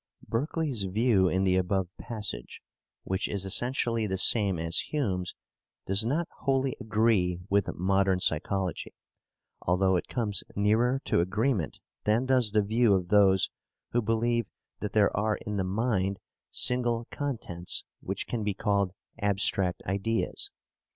Berkeley's view in the above passage, which is essentially the same as Hume's, does not wholly agree with modern psychology, although it comes nearer to agreement than does the view of those who believe that there are in the mind single contents which can be called abstract ideas.